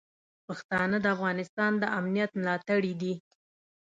پښتانه د افغانستان د امنیت ملاتړي دي.